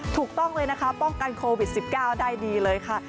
ถูกต้องเลยนะคะป้องกันโควิด๑๙ได้ดีเลยค่ะ